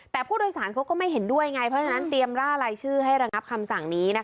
แต่ผู้โดยสารเขาก็ไม่เห็นด้วยไง